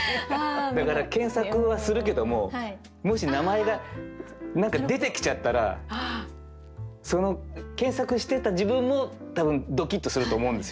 だから検索はするけどももし名前が出てきちゃったらその検索していた自分も多分ドキッとすると思うんですよね。